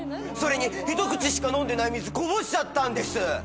それに一口しか飲んでない水こぼしちゃったんです。